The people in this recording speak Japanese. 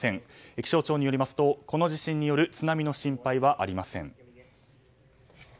気象庁によりますとこの地震による津波の心配はありません。